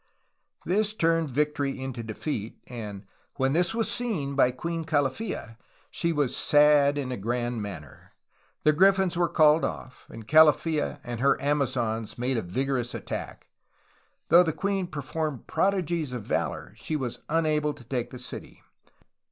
This turned victory into defeat, and "When this was seen by Queen Calaf fa she was sad in a grand manner/' The grif fins were called off, and Calaffa and her Amazons made a vigorous attack. Though the queen performed prodigies of valor, she was unable to take the city.